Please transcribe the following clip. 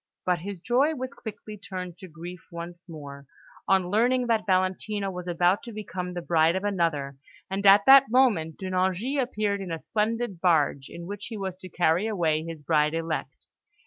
But his joy was quickly turned to grief once more, on learning that Valentina was about to become the bride of another; and at that moment, De Nevers appeared in a splendid barge, in which he was to carry away his bride elect.